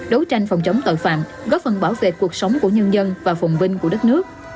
đấu tranh phòng chống tội phạm góp phần bảo vệ cuộc sống của nhân dân và phồng vinh của đất nước